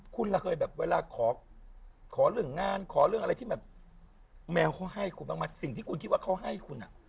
คุณละเวลาขอเรื่องงานขอเรื่องอะไรที่แมวเขาให้คุณบางสิ่งที่คุณคิดว่าเขาให้คุณ